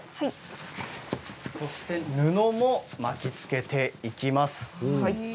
そして布も巻きつけていきます。